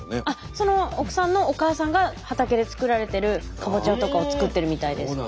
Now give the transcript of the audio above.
その奥さんのお母さんが畑で作られてるかぼちゃとかを作ってるみたいです。